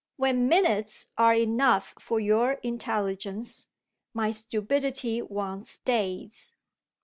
When minutes are enough for your intelligence, my stupidity wants days.